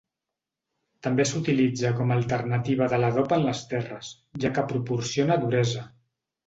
També s'utilitza com a alternativa de l'adob en les terres, ja que proporciona duresa.